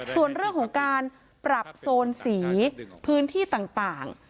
ส่วนเรื่องของการปรับโซนสีพื้นที่ต่าง